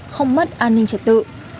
không mất an ninh trật tự